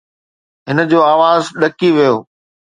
هن جو آواز ڏڪي ويو.